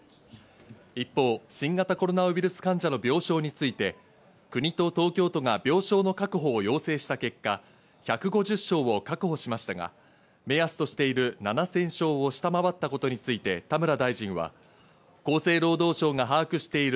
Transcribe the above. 一方、新型コロナウイルス患者の病床について国と東京都が病床の確保を要請した結果、１５０床を確保しましたが、目安としている７０００床を下回ったことについて、田村大臣は厚生労働省が把握している。